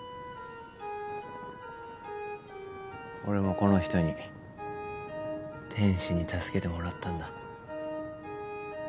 俺もこの人に天使に助けてもらったんだ。